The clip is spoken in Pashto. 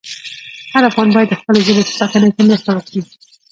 هر افغان باید د خپلې ژبې په ساتنه کې مرسته وکړي.